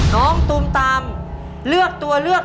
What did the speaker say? น้องตามเข้าไปแล้ว